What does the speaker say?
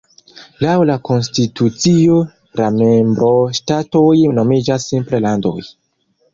Laŭ la konstitucio la membro-ŝtatoj nomiĝas simple "landoj".